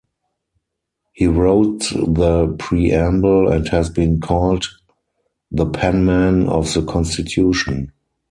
He wrote the preamble, and has been called the Penman of the Constitution.